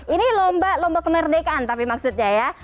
ini lomba lomba kemerdekaan tapi maksudnya ya